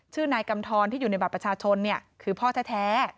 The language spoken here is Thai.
ชื่อนายกำทรที่อยู่ในบัตรประชาชนคือพ่อแท้